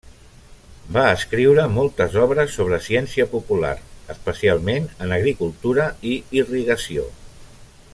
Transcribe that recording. Va escriure moltes obres sobre ciència popular, especialment en agricultura i irrigació.